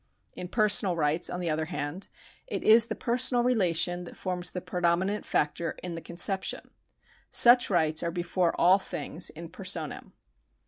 In personal rights, on the other hand, it is the personal relation that forms the predominant factor in the conception ; such rights are before all things in per sonam.